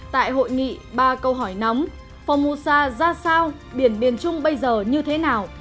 tại hội nghị ba câu hỏi nóng phong musa ra sao biển biển trung bây giờ như thế nào